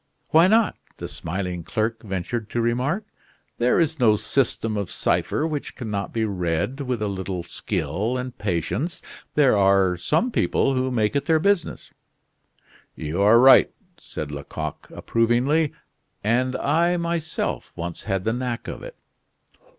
"Why not?" the smiling clerk ventured to remark. "There is no system of cipher which can not be read with a little skill and patience; there are some people who make it their business." "You are right," said Lecoq, approvingly. "And I, myself, once had the knack of it."